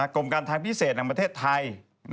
กรมการทางพิเศษในประเทศไทย